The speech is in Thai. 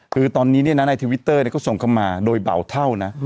คือตอนนี้ในทวิตเตอร์ก็ส่งเข้ามาโดยเบาเท่านะ